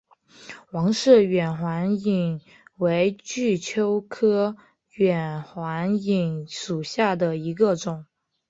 王氏远环蚓为巨蚓科远环蚓属下的一个种。